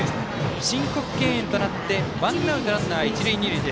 申告敬遠となってワンアウト、ランナー、一塁二塁。